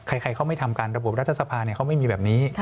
ใครเขาไม่ทำการระบบรัฐสภาเขาไม่มีแบบนี้